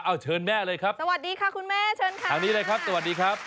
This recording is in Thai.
เอาเชิญแม่เลยครับสวัสดีค่ะคุณแม่เชิญค่ะทางนี้เลยครับสวัสดีครับ